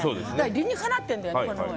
理にかなってるのよ。